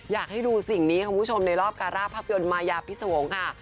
อยากให้ดูสิ่งนี้คุณผู้ชมในรอบการาภาพยนตร์มายาพิสวงศ์ค่ะ